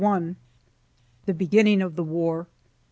THE BEGINNING OF THE WAR.